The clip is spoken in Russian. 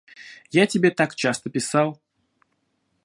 Я тебе так часто писал.